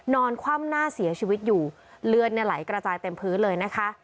คว่ำหน้าเสียชีวิตอยู่เลือดเนี่ยไหลกระจายเต็มพื้นเลยนะคะ